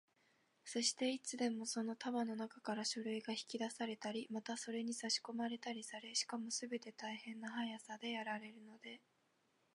そして、いつでもその束のなかから書類が引き出されたり、またそれにさしこまれたりされ、しかもすべて大変な速さでやられるので、